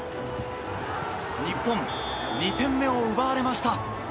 日本２点目を奪われました。